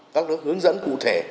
các lớp hướng dẫn cụ thể